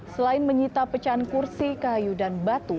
selain menyita pecahan kursi kayu dan batu